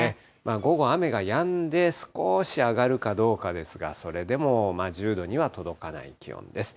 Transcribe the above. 午後、雨がやんで、少し上がるかどうかですが、それでも１０度には届かない気温です。